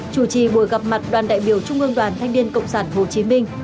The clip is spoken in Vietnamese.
chủ trì buổi gặp mặt đoàn đại biểu trung ương đoàn thanh niên cộng sản hồ chí minh